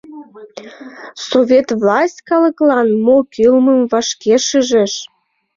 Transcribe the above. Совет власть калыклан мо кӱлмым вашке шижеш.